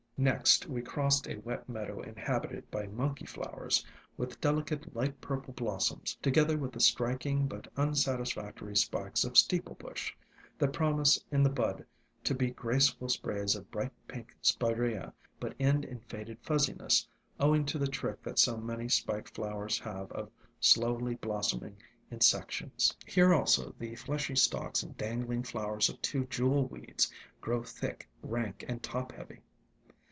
Next we crossed a wet meadow inhabited by Monkey Flowers, with delicate light purple blos soms, together with the striking but unsatisfactory spikes of Steeple Bush, that promise in the bud to be graceful sprays of bright pink Spirea, but end in faded fuzziness, owing to the trick that so many spiked flowers have of slowly blossoming in sec tions. Here also the fleshy stalks and dangling flowers of two Jewel Weeds grow thick, rank and top heavy.